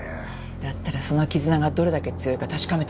だったらその絆がどれだけ強いか確かめてみよう。